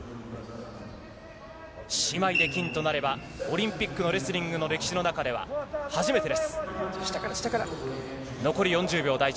姉妹で金となればオリンピックのレスリングの歴史の中では初めてのことです。